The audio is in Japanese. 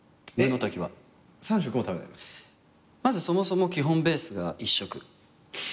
まずそもそも基本ベースが１食。